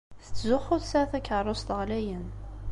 Tettzuxxu tesɛa takeṛṛust ɣlayen.